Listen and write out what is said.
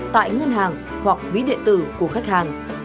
tại ngân hàng hoặc ví điện tử của khách hàng